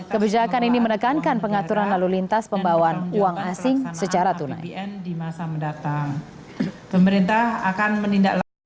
kebijakan ini menekankan pengaturan lalu lintas pembawaan uang asing secara tunai